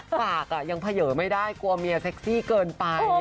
ปากยังเผยไม่ได้กลัวเมียเซ็กซี่เกินไป